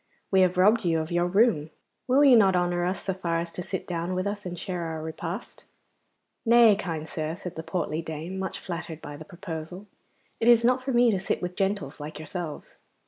'We have robbed you of your room. Will you not honour us so far as to sit down with us and share our repast?' 'Nay, kind sir,' said the portly dame, much flattered by the proposal; 'it is not for me to sit with gentles like yourselves.